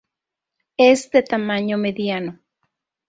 Es de tamaño mediano.